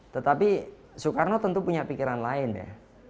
tetapi soekarno tentu punya pikiran lain ya